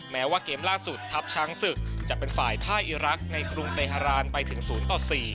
แม้ว่าเกมล่าสุดทัพช้างศึกจะเป็นฝ่ายท่าอีรักษ์ในกรุงเตฮารานไปถึง๐ต่อ๔